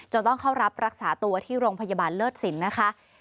ต้องเข้ารับรักษาตัวที่โรงพยาบาลเลิศสินนะคะ